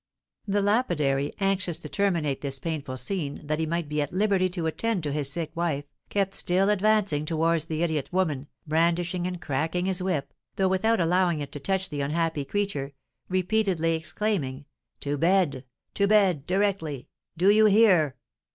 The lapidary, anxious to terminate this painful scene, that he might be at liberty to attend to his sick wife, kept still advancing towards the idiot woman, brandishing and cracking his whip, though without allowing it to touch the unhappy creature, repeatedly exclaiming, "To bed! to bed, directly! Do you hear?"